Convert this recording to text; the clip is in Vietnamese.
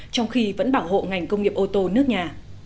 trong khi vẫn bảo hộ ngành công nghiệp ô tô nước nhà